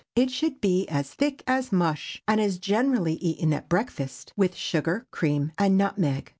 It should be as thick as mush, and is generally eaten at breakfast with sugar, cream, and nutmeg.